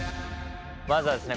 まずはですね